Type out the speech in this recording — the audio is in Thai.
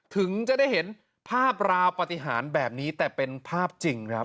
ถึงจะได้เห็นภาพราวปฏิหารแบบนี้แต่เป็นภาพจริงครับ